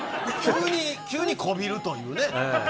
急に、こびるというね。